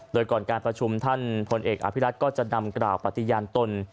โดยก่อนการประชุมท่านพลเอกอภิรัตก็จะนำกล่าวปฏิญาณตน